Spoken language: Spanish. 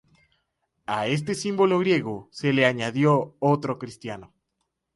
A este símbolo griego se le añadió otro cristiano.